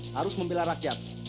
harus membela rakyat